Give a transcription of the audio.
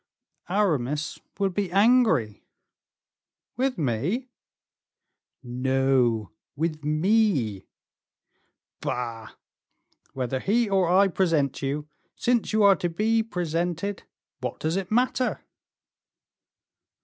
"Aramis will be angry." "With me?" "No, with me." "Bah! whether he or I present you, since you are to be presented, what does it matter?"